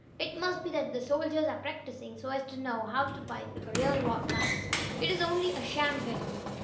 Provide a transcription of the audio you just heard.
It must be that the soldiers are practicing so as to know how to fight if a real war comes. It is only a sham battle."